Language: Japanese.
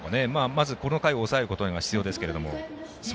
まずこの回を抑えることが必要ですけども。